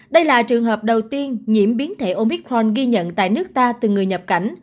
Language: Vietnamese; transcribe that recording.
đây là trường hợp đầu tiên nhiễm biến thể omicron ghi nhận tại nước ta từ người nhập cảnh